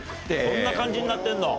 こんな感じになってんの⁉